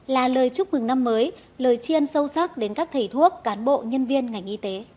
là lời chúc mừng năm mới lời chiên sâu sắc đến các thầy thuốc cán bộ nhân viên ngành y tế